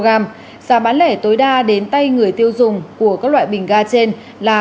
giá bán lẻ tối đa đến tay người tiêu dùng của các loại bình ga trên là